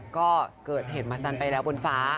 ก็เกิดเหตุมาซันไปแล้วบนฟ้า